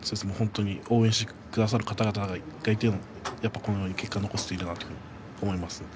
応援してくださる方々がいて、この結果が残せているんだと思います。